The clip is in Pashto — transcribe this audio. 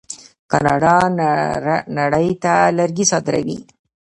کاناډا نړۍ ته لرګي صادروي.